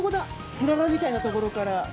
つららみたいな所から。